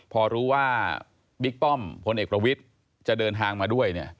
พอรู้ว่าบิ๊กป้อมพลเอกประวิทย์จะเดินทางมาด้วย